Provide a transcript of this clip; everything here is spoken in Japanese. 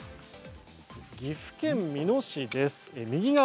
岐阜県美濃市です。